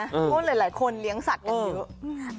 เพราะหลายคนเลี้ยงสัตว์กันเยอะ